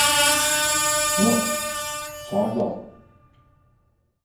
No, sa is dat.